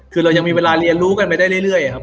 คือเรายังมีเวลาเรียนรู้กันไปได้เรื่อยครับ